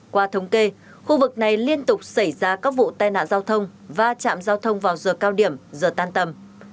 qua thống kê khu vực này liên tục xảy ra các vụ tai nạn giao thông và chạm giao thông vào giờ cao điểm giờ tan tầm